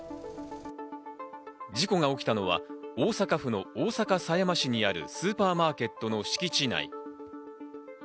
事故が起きたのは大阪府の大阪狭山市にあるスーパーマーケットの敷地内。